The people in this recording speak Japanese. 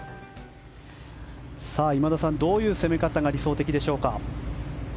今田さん、どういう攻め方が理想的でしょうか。